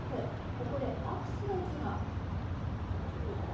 ここでアクシデントが。